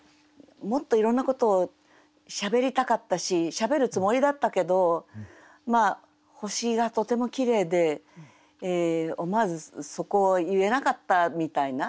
もっといろんなことをしゃべりたかったししゃべるつもりだったけど星がとてもきれいで思わずそこを言えなかったみたいな。